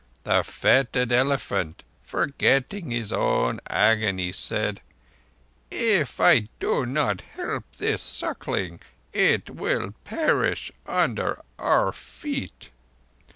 The fettered elephant, forgetting his own agony, said: 'If I do not help this suckling it will perish under our feet.